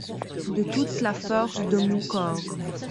de toute la force de mon corps.